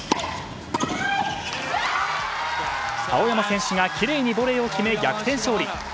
青山選手がきれいにボレーを決め逆転勝利。